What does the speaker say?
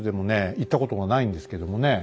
行ったことがないんですけどもね